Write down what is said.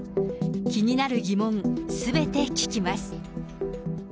気になる疑問、すべて聞きます。